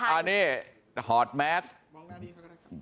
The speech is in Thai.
อันนี้ฮอตแม็กซ์